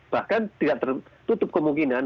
bahkan tidak tertutup kemungkinan